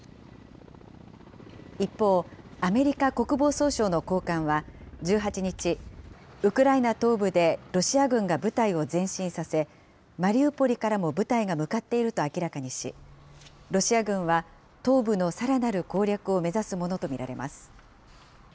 一方、アメリカ国防総省の高官は１８日、ウクライナ東部でロシア軍が部隊を前進させ、マリウポリからも部隊が向かっていると明らかにし、ロシア軍は東部のさらなる攻略を目指すものと見られます。